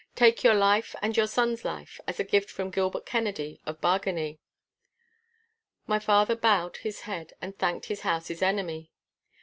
Take your life and your son's life, as a gift from Gilbert Kennedy of Bargany.' My father bowed his head and thanked his house's enemy.